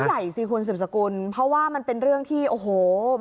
ใหญ่สิคุณสืบสกุลเพราะว่ามันเป็นเรื่องที่โอ้โห